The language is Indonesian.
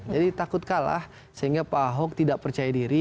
takut kalah sehingga pak ahok tidak percaya diri